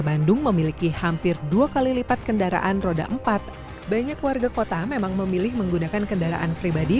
banyak warga kota memang memilih menggunakan kendaraan pribadi